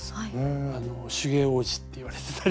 あの手芸王子って言われてたり。